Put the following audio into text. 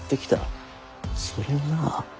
それをな